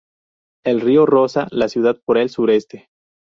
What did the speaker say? El río roza la ciudad por el sureste.